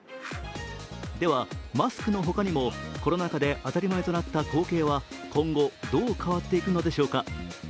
では、マスクの他にもコロナ禍で当たり前となった光景は今後、どう変わっていくのでしょうか。